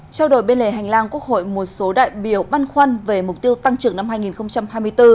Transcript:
trao đổi bên lề hành lang quốc hội một số đại biểu băn khoăn về mục tiêu tăng trưởng năm hai nghìn hai mươi bốn